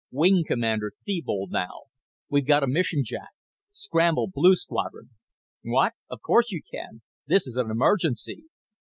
Wing Commander Thebold now. We've got a mission, Jack. Scramble Blue Squadron. What? Of course you can; this is an emergency.